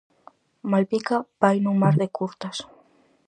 Malpica vai nun mar de curtas.